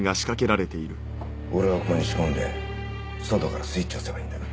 俺はここに仕込んで外からスイッチを押せばいいんだな？